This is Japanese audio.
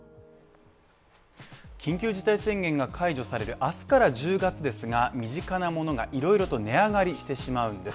緊急事態宣言が解除される明日から１０月ですが、身近なものがいろいろと値上がりしてしまうんです。